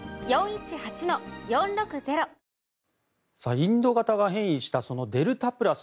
インド型が変異したデルタプラス。